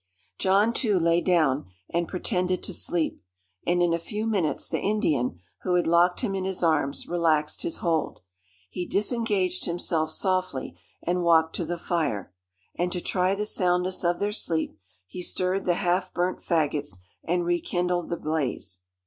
John, too, lay down, and pretended to sleep; and in a few minutes, the Indian, who had locked him in his arms, relaxed his hold. He disengaged himself softly and walked to the fire; and to try the soundness of their sleep, he stirred the half burnt faggots, and rekindled the blaze.